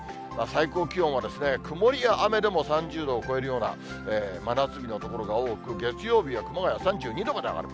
最高気温は、曇りや雨でも３０度を超えるような真夏日の所が多く、月曜日は熊谷３２度まで上がる。